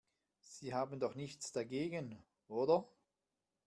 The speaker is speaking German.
Sie haben doch nichts dagegen, oder?